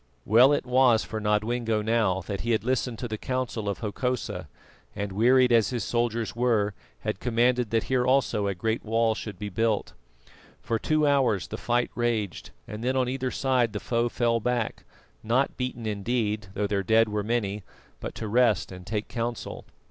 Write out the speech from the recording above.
Well was it for Nodwengo now that he had listened to the counsel of Hokosa, and, wearied as his soldiers were, had commanded that here also a great wall should be built. For two hours the fight raged, and then on either side the foe fell back, not beaten indeed, though their dead were many, but to rest and take counsel.